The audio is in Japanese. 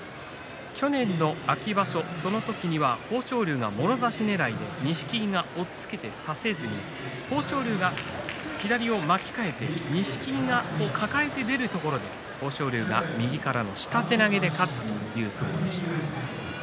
去年の秋場所は、その時には豊昇龍がもろ差しねらいで錦木が押っつけて差せずに豊昇龍が左を巻き替えて錦木が抱えて出るところ豊昇龍が右からの下手投げで勝つという相撲でした。